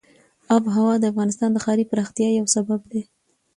آب وهوا د افغانستان د ښاري پراختیا یو سبب دی.